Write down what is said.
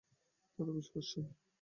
তা তো অবশ্যই।